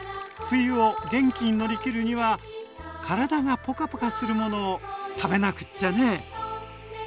冬を元気に乗り切るには体がポカポカするものを食べなくっちゃねえ。